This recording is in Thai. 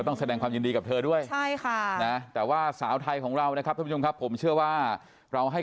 โปรดติดตามตอนต่อไป